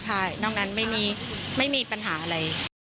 ใช่นอกนั้นไม่มีปัญหาอะไร